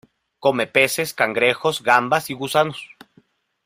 Come peces, cangrejos, gambas y gusanos.